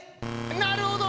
なるほど。